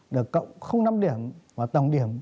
được cộng năm điểm và tổng điểm